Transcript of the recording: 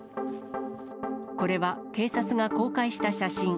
これは、警察が公開した写真。